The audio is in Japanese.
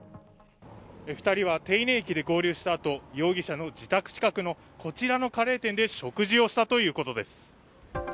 ２人は手稲駅で合流したあと容疑者の自宅近くのこちらのカレー店で食事をしたということです。